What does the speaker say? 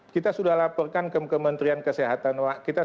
kita sudah laporkan ke kementerian kesehatan